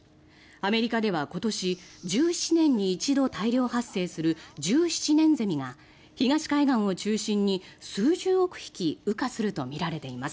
アメリカでは、今年１７年に一度、大量発生する１７年ゼミが東海岸を中心に数十億匹羽化するとみられています。